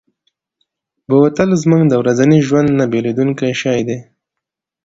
بوتل زموږ د ورځني ژوند نه بېلېدونکی شی دی.